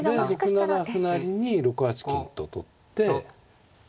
で６七歩成に６八金と取って。